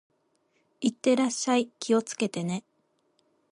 行ってらっしゃい。気をつけてね。